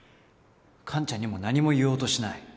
カンちゃんにも何も言おうとしない？